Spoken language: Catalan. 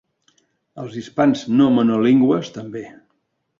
Els hispans no monolingües també.